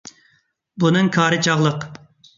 بۇنىڭ كارى چاغلىق.